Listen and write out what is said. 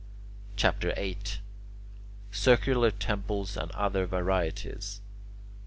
CHAPTER VIII CIRCULAR TEMPLES AND OTHER VARIETIES 1.